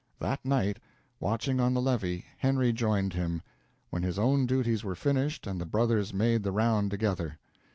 That night, watching on the levee, Henry joined him, when his own duties were finished, and the brothers made the round together.